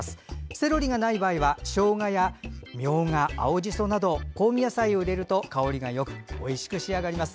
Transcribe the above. セロリがない場合はしょうが、みょうが、青じそなど香味野菜を入れると香りがよくおいしく仕上がります。